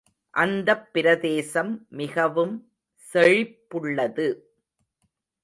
அந்தப் பிரதேசம் மிகவும் செழிப்புள்ளது.